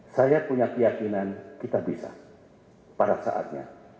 saya punya keyakinan kita bisa pada saatnya